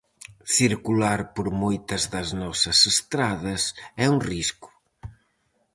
Circular por moitas das nosas estradas é un risco.